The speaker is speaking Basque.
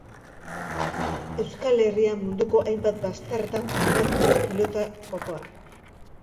Euskal Herria munduko hainbat bazterretan famatu du pilota jokoak.